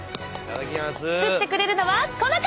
作ってくれるのはこの方！